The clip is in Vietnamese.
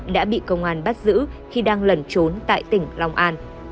đã bị công an bắt giữ khi đang lẩn trốn tại tỉnh long an